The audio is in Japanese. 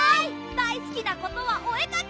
だいすきなことはおえかき！